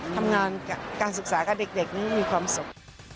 ทำงานการศึกษากับเด็กนี้มีความสุข